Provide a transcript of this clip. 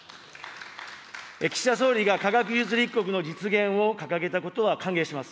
岸田総理が科学技術立国の実現を掲げたことは歓迎します。